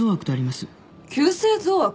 急性増悪？